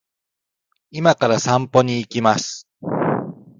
今から散歩に行きます